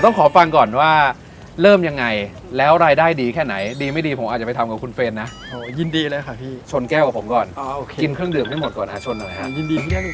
ขอฟังก่อนว่าเริ่มยังไงแล้วรายได้ดีแค่ไหนดีไม่ดีผมอาจจะไปทำกับคุณเฟรนนะยินดีเลยค่ะพี่ชนแก้วกับผมก่อนกินเครื่องดื่มให้หมดก่อน